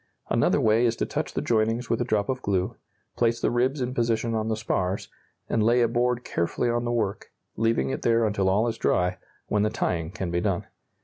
Another way is to touch the joinings with a drop of glue, place the ribs in position on the spars, and lay a board carefully on the work, leaving it there until all is dry, when the tying can be done.